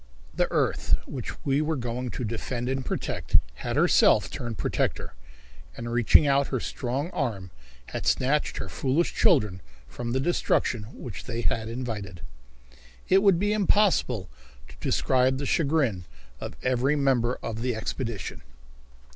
The earth which we were going to defend and protect had herself turned protector, and reaching out her strong arm had snatched her foolish children from the destruction which they had invited. It would be impossible to describe the chagrin of every member of the expedition.